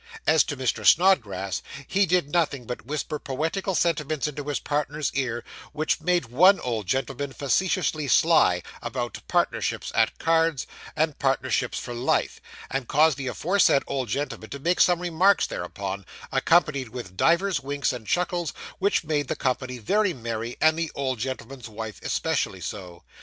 As to Mr. Snodgrass, he did nothing but whisper poetical sentiments into his partner's ear, which made one old gentleman facetiously sly, about partnerships at cards and partnerships for life, and caused the aforesaid old gentleman to make some remarks thereupon, accompanied with divers winks and chuckles, which made the company very merry and the old gentleman's wife especially so.